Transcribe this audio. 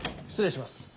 失礼します。